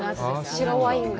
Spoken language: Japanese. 白ワインが。